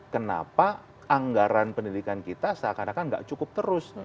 kenapa anggaran pendidikan kita seakan akan tidak cukup terus